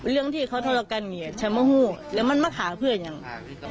เรื่องที่เขาธุระกันอย่างงี้ฉันมัวรู้แล้วมันหมากหาเพลออย่างนั้น